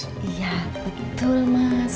iya betul mas